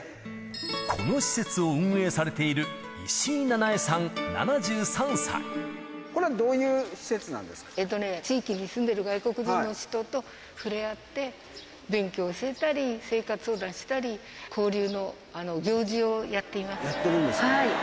この施設を運営されている、これはどういう施設なんですえーとね、地域に住んでる外国人の人と触れ合って、勉強を教えたり、生活相談したり、交流の行事をやっています。